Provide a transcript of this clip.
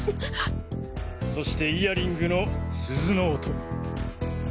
そしてイヤリングの鈴の音。